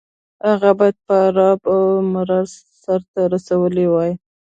هغه باید د ارباب اوامر سرته رسولي وای.